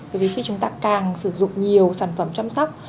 bởi vì khi chúng ta càng sử dụng nhiều sản phẩm chăm sóc